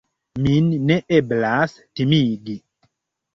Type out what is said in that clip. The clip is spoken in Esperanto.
Min ne eblas timigi.